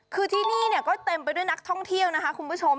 คือที่นี่เนี่ยก็เต็มไปด้วยนักท่องเที่ยวนะคะคุณผู้ชม